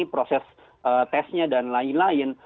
proses tesnya dan lain lain